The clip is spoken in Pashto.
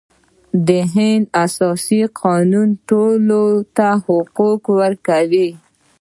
د هند اساسي قانون ټولو ته حقوق ورکوي.